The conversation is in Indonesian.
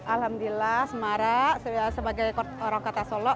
alhamdulillah semarang sebagai orang kota solok